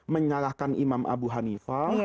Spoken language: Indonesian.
menyalahkan imam abu hanifah